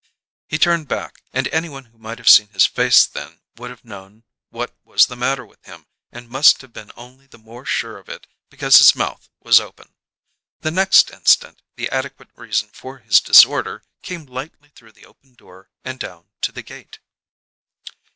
He turned back, and any one who might have seen his face then would have known what was the matter with him, and must have been only the more sure of it because his mouth was open. The next instant the adequate reason for his disorder came lightly through the open door and down to the gate.